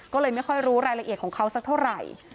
ก็เลยไม่ค่อยรู้รายละเอียดของเขาสักเท่าไหร่